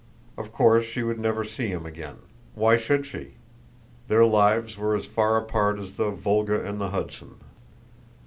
Of course she would never see him again. Why should she? Their lives were as far apart as the Volga and the Hudson.